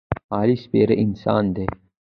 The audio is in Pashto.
علي سپېره انسان دی.